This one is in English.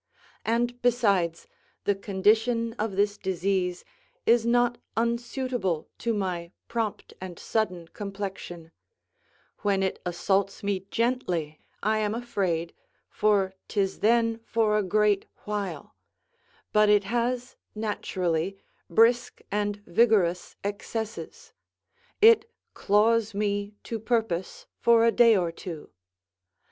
And besides, the condition of this disease is not unsuitable to my prompt and sudden complexion: when it assaults me gently, I am afraid, for 'tis then for a great while; but it has, naturally, brisk and vigorous excesses; it claws me to purpose for a day or two.